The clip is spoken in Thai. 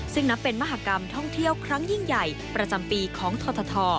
ซึ่งนับเป็นมหากรรมท่องเที่ยวครั้งยิ่งใหญ่ประจำปีของทท